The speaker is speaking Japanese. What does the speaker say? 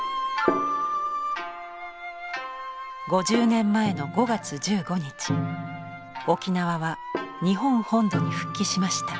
５０年前の５月１５日沖縄は日本本土に復帰しました。